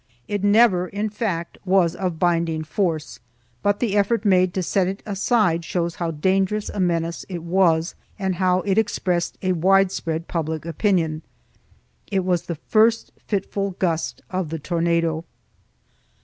2 It never, in fact, was of binding force, but the effort made to set it aside shows how dangerous a menace it was and how it expressed a widespread public opinion. It was the first fitful gust of the tornado.